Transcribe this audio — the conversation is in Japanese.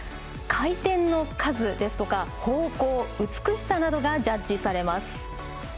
回転の数ですとか方向、美しさなどがジャッジされます。